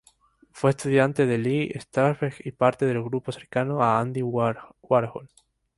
Fue estudiante de Lee Strasberg y parte del grupo cercano a Andy Warhol.